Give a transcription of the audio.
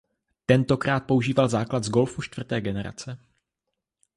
Tentokrát používal základ z Golfu čtvrté generace.